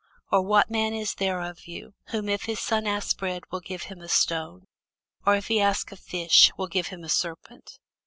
Or what man is there of you, whom if his son ask bread, will he give him a stone? Or if he ask a fish, will he give him a serpent?